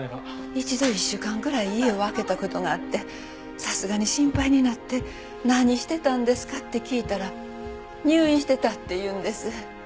一度１週間くらい家を空けた事があってさすがに心配になって何してたんですか？って聞いたら入院してたって言うんです。